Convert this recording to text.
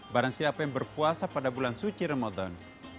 barang siapa yang berpuasa pada bulan suci ramadan